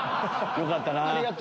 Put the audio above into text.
よかったな。